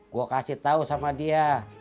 gue kasih tau sama dia